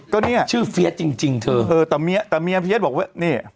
ก็เนี่ยชื่อเฟียสจริงเธอเออแต่เมียแต่เมียเฟียสบอกว่านี่